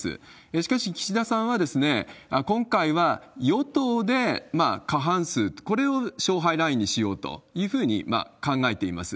しかし岸田さんは、今回は与党で過半数と、これを勝敗ラインにしようというふうに考えています。